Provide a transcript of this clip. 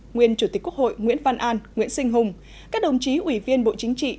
nguyên chủ tịch quốc hội nguyễn văn an nguyễn sinh hùng các đồng chí ủy viên bộ chính trị